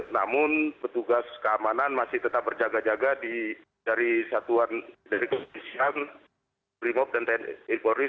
namun petugas keamanan masih tetap berjaga jaga dari satuan brimob dan tni angkatan laut